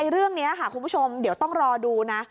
เรื่องนี้ค่ะคุณผู้ชมเดี๋ยวต้องรอดูนะ